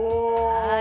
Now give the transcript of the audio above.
はい。